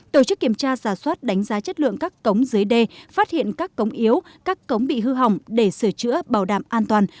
tổ chức kiểm tra giả soát đánh giá chất lượng các cống dưới đê phát hiện các cống yếu các cống bị hư hỏng để sửa chữa bảo đảm an toàn